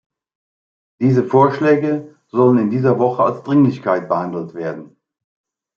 Diese Vorschläge sollen in dieser Woche als Dringlichkeit behandelt werden.